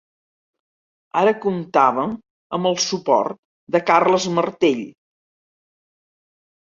Ara comptaven amb el suport de Carles Martell.